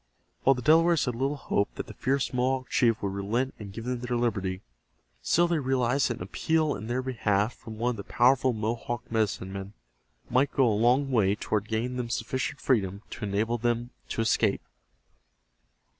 While the Delawares had little hope that the fierce Mohawk chief would relent and give them their liberty, still they realized that an appeal in their behalf from one of the powerful Mohawk medicine men might go a long way toward gaining them sufficient freedom to enable them to escape.